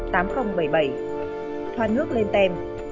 thoàn nước lên tem